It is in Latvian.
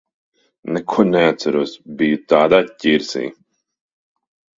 Neko neatceros. Biju tādā ķirsī.